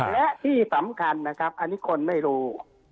และที่สำคัญนะครับอันนี้คนไม่รู้